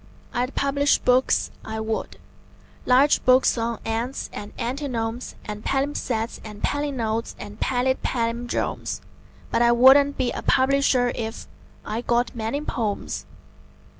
I'd publish books, I would large books on ants and antinomes And palimpsests and palinodes and pallid pallindromes: But I wouldn't be a publisher if .... I got many "pomes."